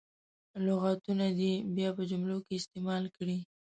لغتونه دې بیا په جملو کې استعمال کړي.